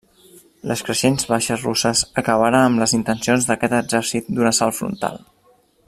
Les creixents baixes russes acabaren amb les intencions d'aquest exèrcit d'un assalt frontal.